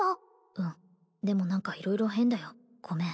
うんでも何か色々変だよごめん